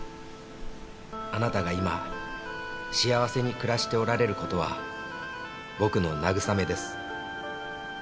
「あなたが今幸せに暮らしておられる事は僕の慰めです」